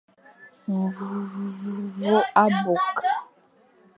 Mvoñ abokh.